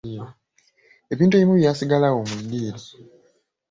Ebintu ebimu byasigala awo mu ddiiro.